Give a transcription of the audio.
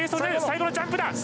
最後のジャンプだ！